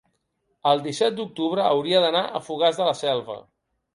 el disset d'octubre hauria d'anar a Fogars de la Selva.